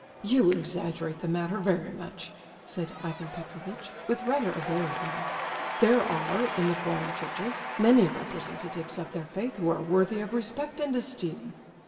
"You exaggerate the matter very much," said Ivan Petrovitch, with rather a bored air. "There are, in the foreign Churches, many representatives of their faith who are worthy of respect and esteem."